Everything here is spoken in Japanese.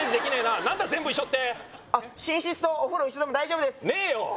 何だ全部一緒って寝室とお風呂一緒でも大丈夫ですねえよ！